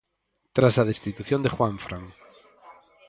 Tras a destitución de Juanfran.